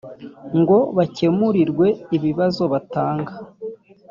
ngo bakemurirwe ibibazo batanga